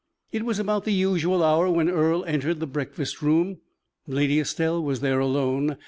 It was about the usual hour when Earle entered the breakfast room. Lady Estelle was there alone.